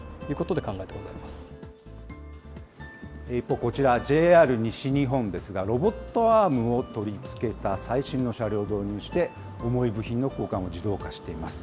こちらＪＲ西日本ですが、ロボットアームを取り付けた最新の車両を導入して、重い部品の交換を自動化しています。